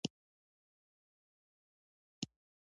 ټول افغانان په مینه او دوستۍ کې هر ډول سرښندنې ته چمتو دي.